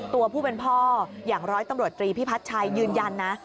ตัวผู้เป็นพ่ออย่างร้อยตำรวจตรีพิพัฒน์ชัยยืนยันนะ